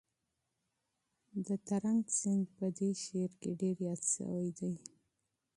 د ترنک سیند په دې شعر کې ډېر یاد شوی دی.